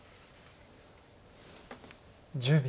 １０秒。